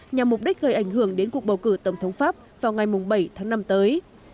nhằm mục đích gây ảnh hưởng đến cuộc bầu cử tổng thống pháp vào ngày bảy tháng năm tới